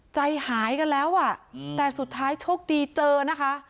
ใจหายกันแล้วอ่ะแต่สุดท้ายโชคดีเจอนะคะ